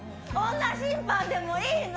女審判でもいいの？